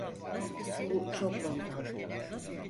Bu çok boktan.